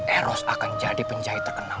eros akan jadi penjahit terkenal